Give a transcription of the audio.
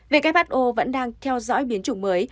về cái bắt ô vẫn đang theo dõi biến chủng mới